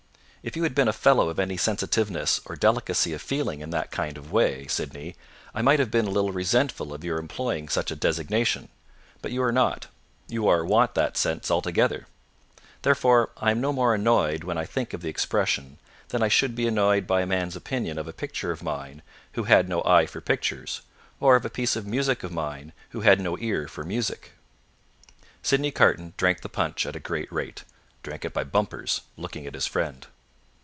If you had been a fellow of any sensitiveness or delicacy of feeling in that kind of way, Sydney, I might have been a little resentful of your employing such a designation; but you are not. You want that sense altogether; therefore I am no more annoyed when I think of the expression, than I should be annoyed by a man's opinion of a picture of mine, who had no eye for pictures: or of a piece of music of mine, who had no ear for music." Sydney Carton drank the punch at a great rate; drank it by bumpers, looking at his friend.